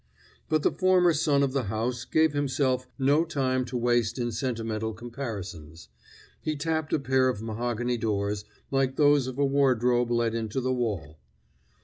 But the former son of the house gave himself no time to waste in sentimental comparisons. He tapped a pair of mahogany doors, like those of a wardrobe let into the wall.